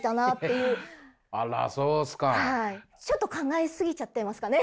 ちょっと考え過ぎちゃってますかね。